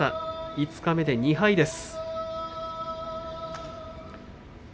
五日目で２敗です。